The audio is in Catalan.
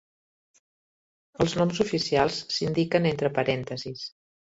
Els noms oficials s'indiquen entre parèntesis.